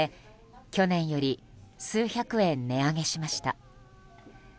去年より数百円値上げしました。